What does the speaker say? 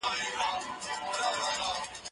زه هره ورځ سبزیجات جمع کوم،